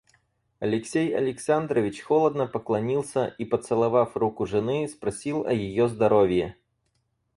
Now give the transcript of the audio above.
Алексей Александрович холодно поклонился и, поцеловав руку жены, спросил о ее здоровье.